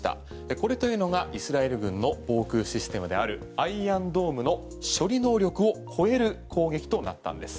これというのがイスラエル軍の防空システムであるアイアンドームの処理能力を超える攻撃となったんです。